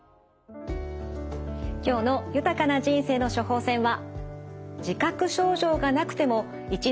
今日の「豊かな人生の処方せん」は。